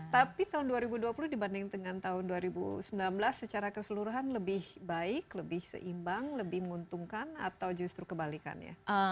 tapi tahun dua ribu dua puluh dibanding dengan tahun dua ribu sembilan belas secara keseluruhan lebih baik lebih seimbang lebih menguntungkan atau justru kebalikannya